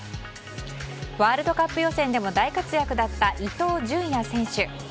ワールドカップ予選でも大活躍だった伊東純也選手。